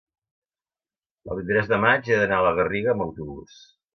el vint-i-tres de maig he d'anar a la Garriga amb autobús.